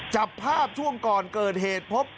จับภาพช่วงก่อนเกิดเหตุพบ